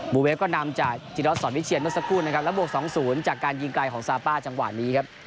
เวฟก็นำจากจิรัสสอนวิเชียนเมื่อสักครู่นะครับแล้วบวก๒๐จากการยิงไกลของซาป้าจังหวะนี้ครับ